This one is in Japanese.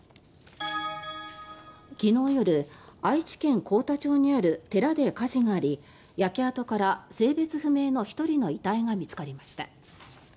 昨日夜、愛知県幸田町にある寺で火事があり焼け跡から性別不明の１人の遺体が見つかりました。